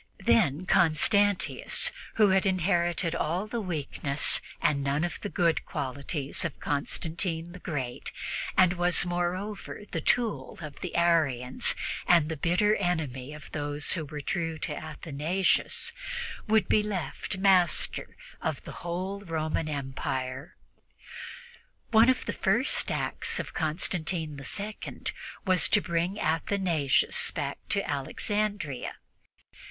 Then Constantius, who had inherited all the weakness and none of the good qualities of Constantine the Great, and was, moreover, the tool of the Arians and the bitter enemy of those who were true to Athanasius, would be left master of the whole Roman Empire. One of the first acts of Constantine II was to bring Athanasius back to Alexandria.